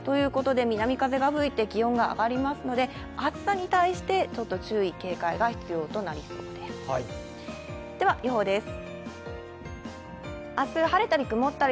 南風が吹いて気温が上がりますので、暑さに対して注意・警戒が必要となりそうです。